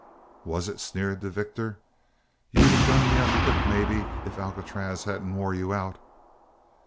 "Was it?" sneered the victor. "You'd of done me up quick, maybe, if Alcatraz hadn't wore you out?"